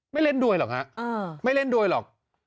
ไม่เล่นด้วยหรอกฮะไม่เล่นด้วยหรอก